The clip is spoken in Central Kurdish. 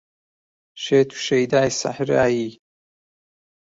شێت و شەیدای سەحرایی